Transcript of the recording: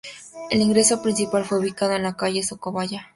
El ingreso principal fue ubicado en la calle Socabaya.